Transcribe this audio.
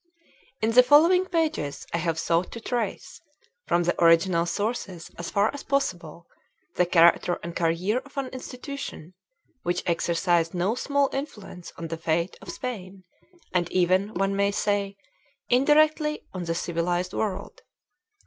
IN the following pages I have sought to trace, from the original sources as far as possible, the character and career of an institu tion which exercised no small influence on the fate of Spain and even, one may say, indirectly on the civilized world.